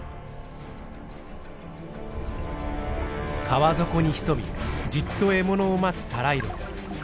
川底に潜みじっと獲物を待つタライロン。